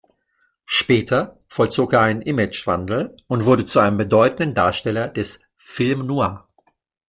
Später vollzog er einen Imagewandel und wurde zu einem bedeutenden Darsteller des Film noir.